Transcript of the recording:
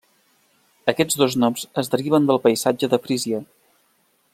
Aquests dos noms es deriven del paisatge de Frísia.